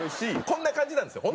こんな感じなんですよ。